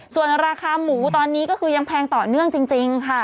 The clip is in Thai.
ส่วนราคาหมูตอนนี้ก็คือยังแพงต่อเนื่องจริงค่ะ